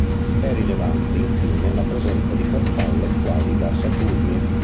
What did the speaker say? È rilevante, infine, la presenza di farfalle quali la saturnia.